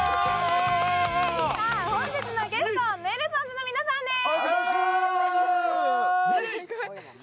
本日のゲストはネルソンズの皆さんです。